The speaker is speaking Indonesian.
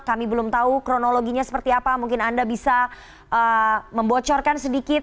kami belum tahu kronologinya seperti apa mungkin anda bisa membocorkan sedikit